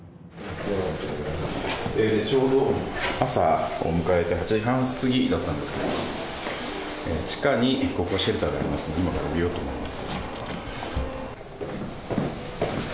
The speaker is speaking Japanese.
ちょうど朝を迎えて８時半過ぎだったんですが地下にここはシェルターがありますのでそこに逃げようと思います。